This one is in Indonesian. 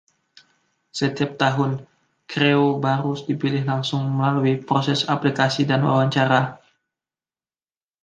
Setiap tahun, Krewe baru dipilih langsung melalui proses aplikasi dan wawancara.